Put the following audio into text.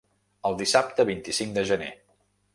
El dissabte vint-i-cinc de gener.